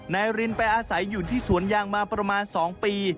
นายรินไปอาศัยอยู่ที่สวนยางมาประมาณ๒ปี